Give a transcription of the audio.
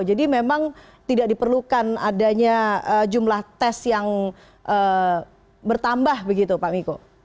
jadi memang tidak diperlukan adanya jumlah tes yang bertambah pak miko